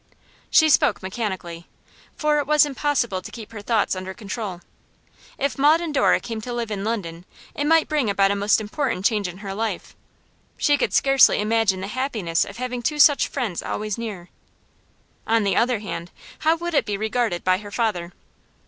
She spoke mechanically, for it was impossible to keep her thoughts under control. If Maud and Dora came to live in London it might bring about a most important change in her life; she could scarcely imagine the happiness of having two such friends always near. On the other hand, how would it be regarded by her father?